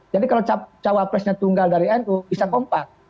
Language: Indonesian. jadi kalau cawapresnya tunggal dari nu bisa kompak